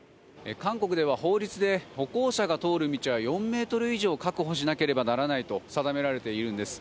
韓国では法律で歩行者が通る道は４ｍ以上確保しなければならないと定められているんです。